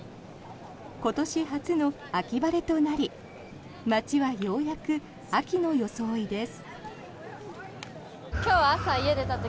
今年初の秋晴れとなり街はようやく秋の装いです。